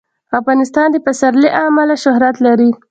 افغانستان د پسرلی له امله شهرت لري.